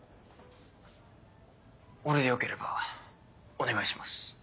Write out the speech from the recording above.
俺でよければお願いします。